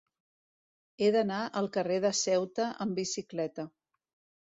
He d'anar al carrer de Ceuta amb bicicleta.